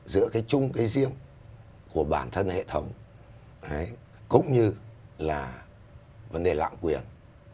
giữa cái chung cái riêng của bản thân hệ thống cũng như là vấn đề lạm quyền